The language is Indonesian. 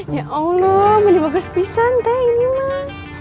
ya allah menimba gas pisang teh ini mak